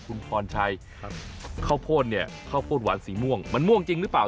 คุณพรชัยข้าวโพดเนี่ยข้าวโพดหวานสีม่วงมันม่วงจริงหรือเปล่า